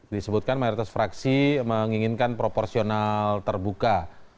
disebutkan mayoritas fraksi menginginkan proporsional terbuka